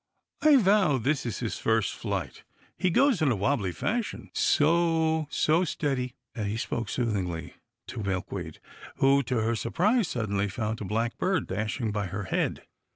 I vow this is his first flight. He goes in a wobbly fashion. So so — steady," and he spoke soothingly to Milkweed, who to her sur prise, suddenly found a black bird dashing by her head.